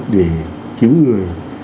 để cứu người